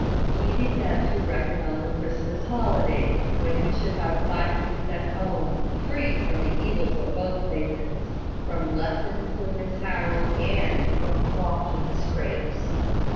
He began to reckon on the Christmas holidays, when he should have five weeks at home, free from the evils of both places, from lessons with Miss Harold, and from Crofton scrapes.